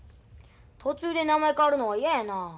途中で名前変わるのは嫌やなあ。